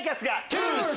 トゥース。